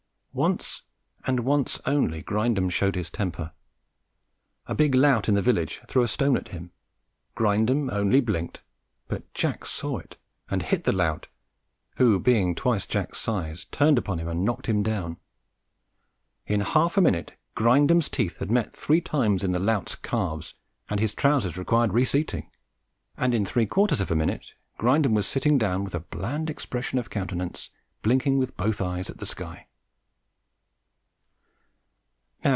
Once, and once only, Grindum showed his temper. A big lout in the village threw a stone at him. Grindum only blinked, but Jack saw it and hit the lout, who being twice Jack's size turned upon him and knocked him down. In half a minute Grindum's teeth had met three times in the lout's calves and his trousers required reseating, and in three quarters of a minute Grindum was sitting down with a bland expression of countenance, blinking with both eyes at the sky.